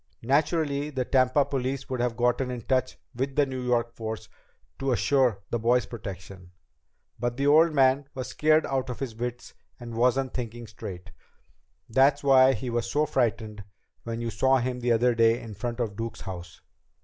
Naturally, the Tampa police would have gotten in touch with the New York force to assure the boy's protection. But the old man was scared out of his wits and wasn't thinking straight. That's why he was so frightened when you saw him that day in front of Duke's house."